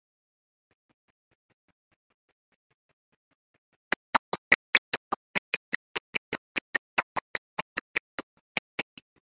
The novel's narration alternates between Theotoky's and Darcourt's points of view.